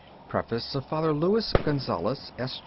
_Preface of Father Louis Gonzalez, S.